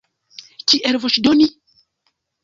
Kiel voĉdoni?